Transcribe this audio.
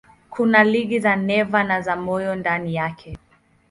Kuna liga za neva na za moyo ndani yake.